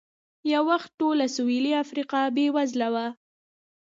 یو وخت ټوله سوېلي افریقا بېوزله وه.